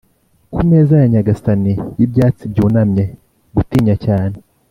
ku meza ya nyagasani y'ibyatsi byunamye. gutinya cyane